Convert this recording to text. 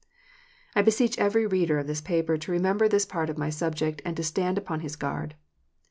I beseech every reader of this paper to remember this part of my subject, and to stand upon his guard.